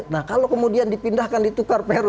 nah kalau kemudian dipindahkan ditukar peru